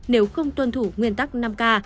nếu không tuân thủ nguyên tắc năm k